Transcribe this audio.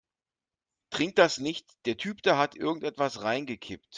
Trink das nicht, der Typ da hat irgendetwas reingekippt.